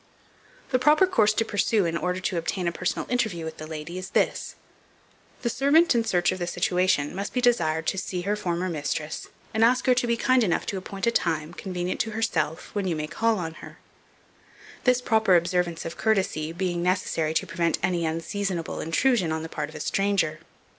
The proper course to pursue in order to obtain a personal interview with the lady is this: The servant in search of the situation must be desired to see her former mistress, and ask her to be kind enough to appoint a time, convenient to herself, when you may call on her; this proper observance of courtesy being necessary to prevent any unseasonable intrusion on the part of a stranger.